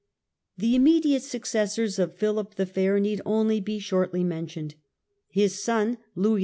The immediate successors of Philip the Fair need only be shortly mentioned. His son Louis X.